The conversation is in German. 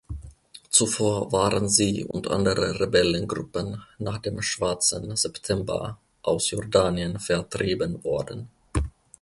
Zuvor waren sie und andere Rebellengruppen nach dem Schwarzen September aus Jordanien vertrieben worden.